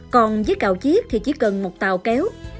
còn với cào chiếc thì chỉ cần một tàu kéo